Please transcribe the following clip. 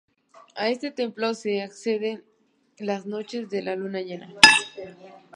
A este templo se accede las noches de luna llena.